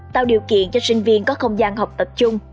tạo điều kiện cho sinh viên có không gian học tập chung